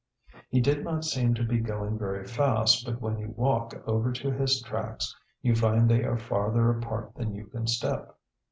He did not seem to be going very fast but when you walk over to his tracks you find they are farther apart than you can step.